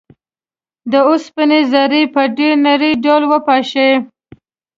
د اوسپنې ذرې په ډیر نري ډول وپاشئ.